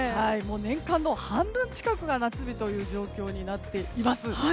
年間の半分近くが夏日という状況になっています。